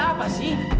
ini ada apa sih